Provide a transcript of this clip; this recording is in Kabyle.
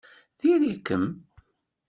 Diri-kem!